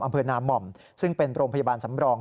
อำเภอนาม่อมซึ่งเป็นโรงพยาบาลสำรอง